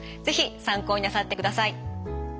ぜひ参考になさってください。